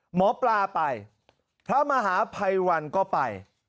หมอปลาไปพระมหาภัยวันก็ไป